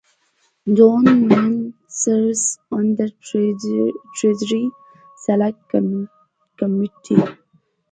John Mann serves on the Treasury Select Committee.